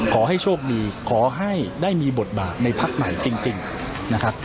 ขอให้โชคดีขอให้ได้มีบทบาทในพักใหม่จริงนะครับ